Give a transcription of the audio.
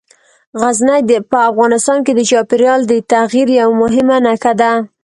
غزني په افغانستان کې د چاپېریال د تغیر یوه مهمه نښه ده.